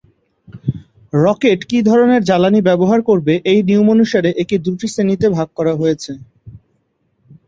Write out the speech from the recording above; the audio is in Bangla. রকেট কী ধরনের জ্বালানী ব্যবহার করবে এই নিয়মানুসারে একে দুটি শ্রেণিতে ভাগ হয়েছে।